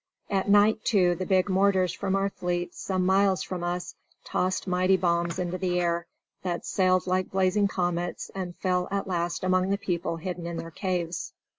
At night, too, the big mortars from our fleet some miles from us tossed mighty bombs into the air, that sailed like blazing comets and fell at last among the people hidden in their caves.